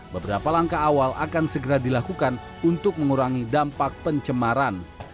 beberapa langkah awal akan segera dilakukan untuk mengurangi dampak pencemaran